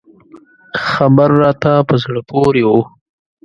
خبر راته په زړه پورې و.